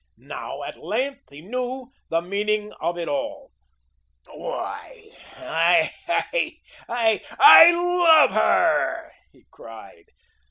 Now at length, he knew the meaning of it all. "Why I I, I LOVE her," he cried.